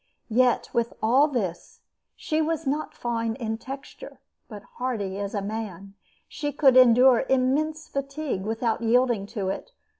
Yet with all this she was not fine in texture, but hardy as a man. She could endure immense fatigue without yielding to it.